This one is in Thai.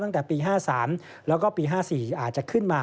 ตั้งแต่ปี๕๓แล้วก็ปี๕๔อาจจะขึ้นมา